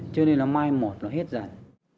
cho nên là mai mỏi nó hết rồi